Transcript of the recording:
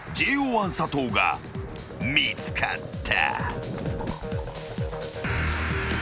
１佐藤が見つかった］